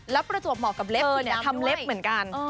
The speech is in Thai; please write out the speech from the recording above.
แล้วประจวบเหมาะกับเล็บทำเล็บเหมือนกัน